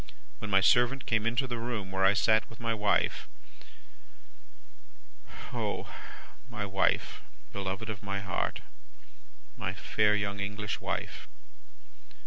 When my servant came into the room where I sat with my wife O my wife, beloved of my heart! My fair young English wife!